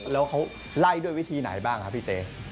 แล้วเขาไล่ด้วยวิธีไหนบ้างครับพี่เจ๊